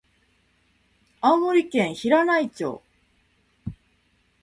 青森県平内町